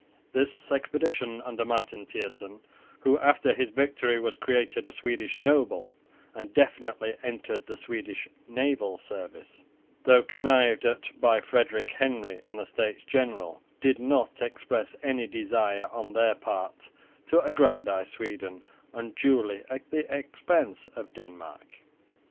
This expedition under Marten Thijssen, who after his victory was created a Swedish noble and definitely entered the Swedish naval service, though connived at by Frederick Henry and the States General, did not express any desire on their part to aggrandise Sweden unduly at the expense of Denmark.